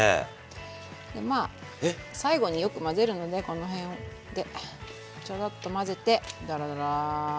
でまあ最後によく混ぜるのでこの辺でちょろっと混ぜてドロドロ。